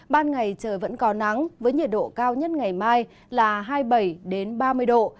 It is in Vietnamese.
ban ngày trời vẫn có nắng với nhiệt độ cao nhất ngày mai là hai mươi bảy ba mươi độ